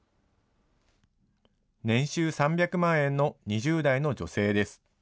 年収３００万円の２０代の女性です。